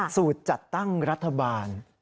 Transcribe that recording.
สูตรจัดตั้งรัฐบาล